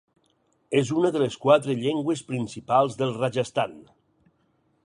És una de les quatre llengües principals del Rajasthan.